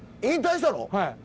引退したの？